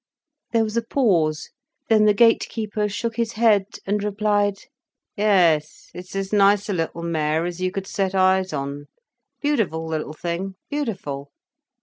There was a pause, then the gate keeper shook his head, and replied: "Yes, it's as nice a little mare as you could set eyes on—beautiful little thing, beautiful.